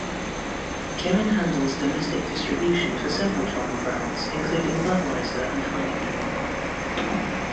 Kirin handles domestic distribution for several foreign brands, including Budweiser and Heineken.